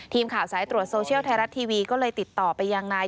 ทีมข่าวสายตรวจโซเชียลไทยรัฐทีวีก็เลยติดต่อไปยังนาย